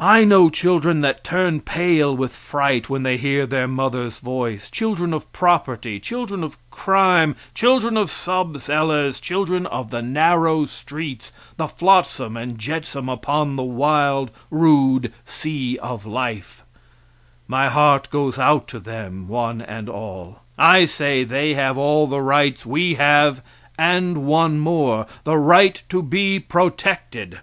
I know children that turn pale with fright when they hear their mother's voice; children of property; children of crime, children of sub cellars; children of the narrow streets, the flotsam and jetsam upon the wild, rude sea of life my heart goes out to them one and all; I say they have all the rights we have and one more the right to be protected.